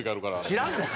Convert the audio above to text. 知らんわ。